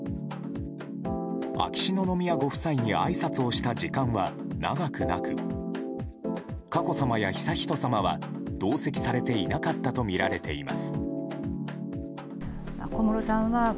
秋篠宮ご夫妻にあいさつをした時間は長くなく佳子さまや悠仁さまは同席されていなかったとみられています。